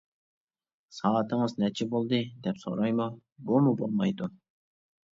«سائىتىڭىز نەچچە بولدى» دەپ سورايمۇ؟ بۇمۇ بولمايدۇ.